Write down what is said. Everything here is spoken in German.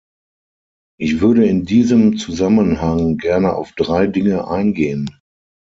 Ich würde in diesem Zusammenhang gerne auf drei Dinge eingehen.